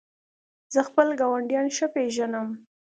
زه خپل ګاونډیان ښه پېژنم.